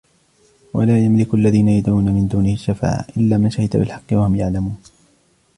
وَلَا يَمْلِكُ الَّذِينَ يَدْعُونَ مِنْ دُونِهِ الشَّفَاعَةَ إِلَّا مَنْ شَهِدَ بِالْحَقِّ وَهُمْ يَعْلَمُونَ